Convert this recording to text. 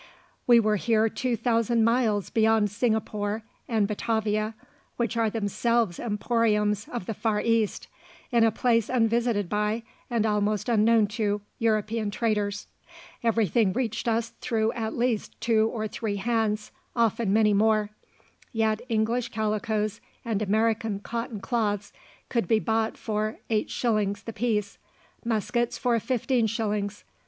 We were here two thousand miles beyond Singapore and Batavia, which are themselves emporiums of the "far east," in a place unvisited by, and almost unknown to, European traders; everything reached us through at least two or three hands, often many more; yet English calicoes and American cotton cloths could be bought for 8s. the piece, muskets for 15s.